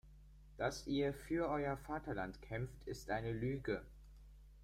Dass ihr für euer Vaterland kämpft, ist eine Lüge.